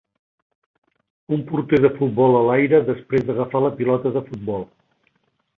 Un porter de futbol a l'aire després d'agafar la pilota de futbol.